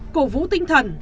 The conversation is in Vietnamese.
cổ vũ tinh thần